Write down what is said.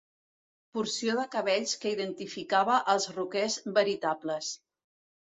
Porció de cabells que identificava els rockers veritables.